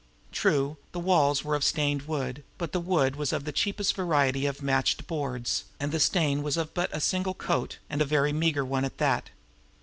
True, the walls were of stained wood, but the wood was of the cheapest variety of matched boards, and the stain was of but a single coat, and a very meager one at that!